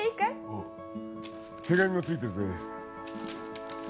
おう手紙も付いてるぜ。